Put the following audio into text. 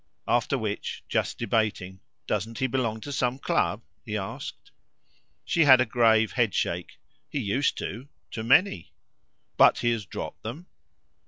After which, just debating, "Doesn't he belong to some club?" he asked. She had a grave headshake. "He used to to many." "But he has dropped them?"